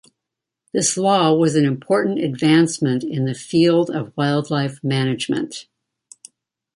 This law was an important advancement in the field of wildlife management.